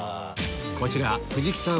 こちら藤木さん